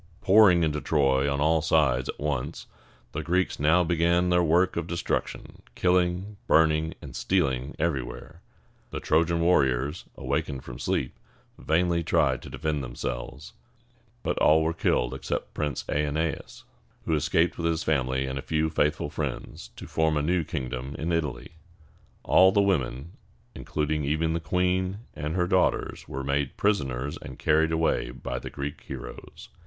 Pouring into Troy on all sides at once, the Greeks now began their work of destruction, killing, burning, and stealing everywhere. The Trojan warriors, awakening from sleep, vainly tried to defend themselves; but all were killed except Prince Æ ne´as, who escaped with his family and a few faithful friends, to form a new kingdom in Italy. All the women, including even the queen and her daughters, were made prisoners and carried away by the Greek heroes.